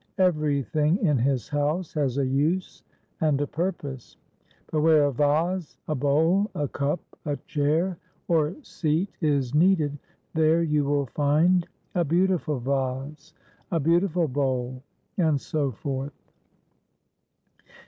Everything in his house has a use and a purpose; but where a vase, a bowl, a cup, a chair, or seat is needed, there you will find a beautiful vase, a beautiful bowl, and so forth.